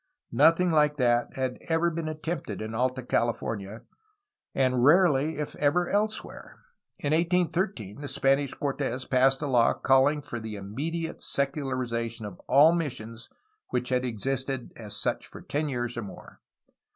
Nothing like that had ever been attempted in Alta Califor nia, and rarely, if ever, elsewhere. In 1813 the Spanish Cortes passed a law calling for the immediate secularization of all missions which had existed as such for ten years or more.